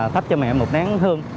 thắp cho mẹ một nén